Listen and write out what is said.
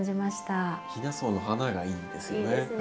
ヒナソウの花がいいんですよね。